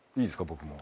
僕も」？